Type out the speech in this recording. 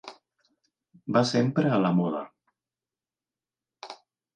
Va sempre a la moda.